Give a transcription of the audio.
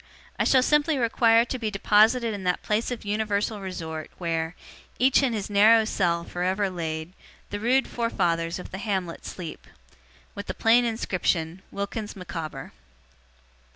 I shall simply require to be deposited in that place of universal resort, where Each in his narrow cell for ever laid, The rude forefathers of the hamlet sleep, ' With the plain Inscription, 'WILKINS MICAWBER.